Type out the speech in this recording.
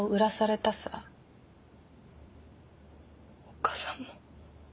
おっ母さんも。